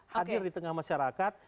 hadir di tengah masyarakat